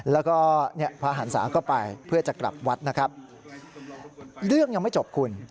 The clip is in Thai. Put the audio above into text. แล้วก็เนี่ยพระหันศาก็ไปเพื่อจะกลับวัดนะครับเรื่องยังไม่จบคุณ